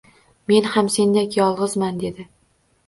«Men ham sendek yolg’izman…» – dedi.